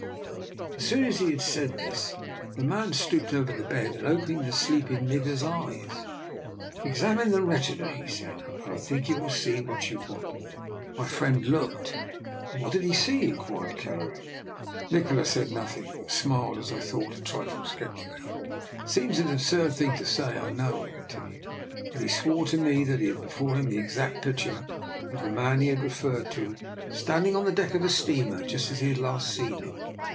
As soon as he had said this the man stooped over the bed and opened the sleeping nigger's eyes. * Examine the retina,' he said, * and I think you will see what you want.' My friend looked." " And what did he see? " inquired Kel JO DR. NIKOLA'S EXPERIMENT. leran. Nikola said nothing, but smiled, as I thought, a trifle sceptically. It seems an absurd thing to say, I know," I continued, " but he swore to me that he had before him the exact picture of the man he had referred to, standing on the deck of the steamer just as he had last seen him.